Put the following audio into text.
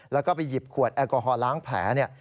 แล้วก็ไปหยิบขวดแอลกอฮอลล้างแผลเนี่ย